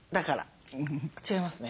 違いますね。